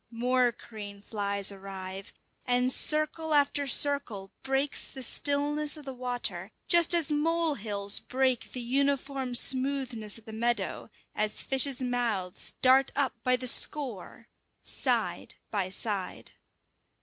More crane flies arrive, and circle after circle breaks the stillness of the water, just as mole hills break the uniform smoothness of the meadow, as fishes' mouths dart up by the score side by side.